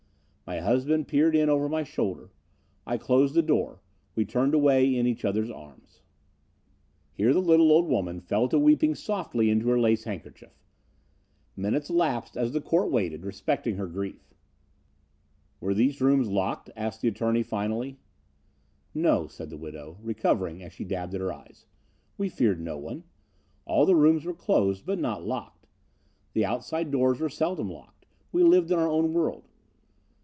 My husband peered in over my shoulder. I closed the door. We turned away in each other's arms." Here the little old woman fell to weeping softly into her lace handkerchief. Minutes lapsed as the court waited, respecting her grief. "Were these rooms locked?" asked the attorney finally. "No," said the widow, recovering, as she dabbed at her eyes. "We feared no one. All the rooms were closed, but not locked. The outside doors were seldom locked. We lived in our own world.